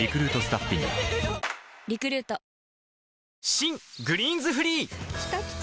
新「グリーンズフリー」きたきた！